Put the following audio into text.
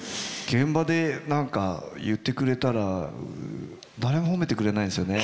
現場で何か言ってくれたら誰も褒めてくれないんですよね